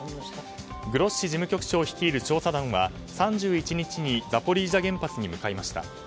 グロッシ事務局長率いる調査団は３１日にザポリージャ原発に向かいました。